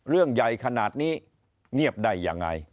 เรื่องใหญ่ขนาดนี้เงียบได้ยังไง